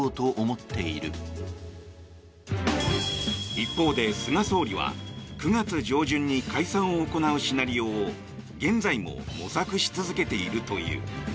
一方で、菅総理は９月上旬に解散を行うシナリオを現在も模索し続けているという。